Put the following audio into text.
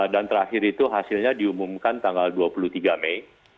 dan terakhir itu hasilnya diumumkan tanggal dua puluh tiga mei